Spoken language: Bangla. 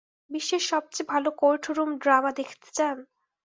বিশ্বের সবচেয়ে ভালো কোর্টরুম ড্রামা দেখতে চান?